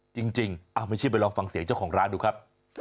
จริงไม่เชื่อไปลองฟังเสียงเจ้าของร้านดูครับ